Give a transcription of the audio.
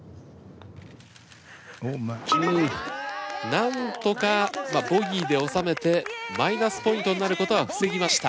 なんとかボギーで収めてマイナスポイントになることは防ぎました。